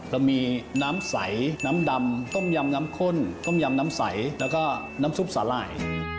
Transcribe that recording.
เรามีน้ำใสน้ำดำต้มยำน้ำข้นต้มยำน้ำใสแล้วก็น้ำซุปสาหร่าย